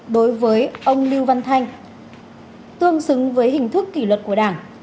đối với ông lưu văn thanh tương xứng với hình thức kỷ luật của đảng